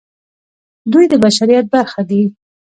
دوی د بشریت برخه دي.